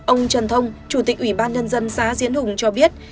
ông trần thông chủ tịch ủy ban nhân dân xã diễn hùng cho biết